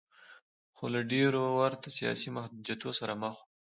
خو له ډېرو ورته سیاسي محدودیتونو سره مخ و.